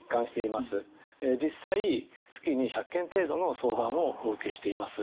実際月に１００件程度の相談をお受けしています。